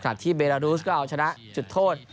ที่เบดารูสก็เอาชนะจุดโทษ